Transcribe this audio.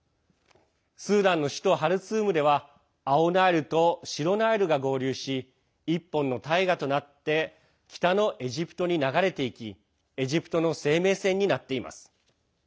スーダンの首都ハルツームでは青ナイルと白ナイルが合流し一本の大河となって北のエジプトに流れていきエジプトの生命線になっています。